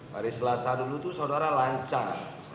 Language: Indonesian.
hari selasa dulu tuh saudara lancar